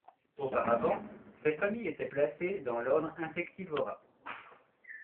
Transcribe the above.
Auparavant ses familles étaient placées dans l'ordre Insectivora.